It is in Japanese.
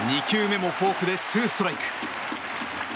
２球目もフォークで２ストライク。